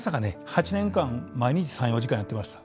８年間毎日３４時間やってました。